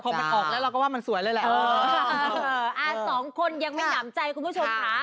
พอมันออกแล้วเราก็ว่ามันสวยเลยแหละเอออ่าสองคนยังไม่หนำใจคุณผู้ชมค่ะ